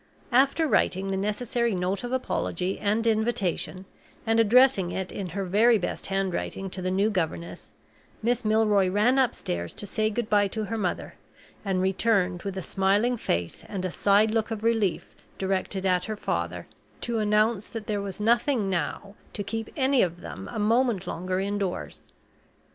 After writing the necessary note of apology and invitation, and addressing it in her very best handwriting to the new governess, Miss Milroy ran upstairs to say good by to her mother, and returned with a smiling face and a side look of relief directed at her father, to announce that there was nothing now to keep any of them a moment longer indoors.